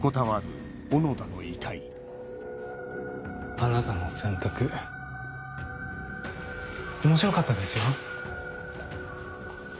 あなたの選択面白かったですよ。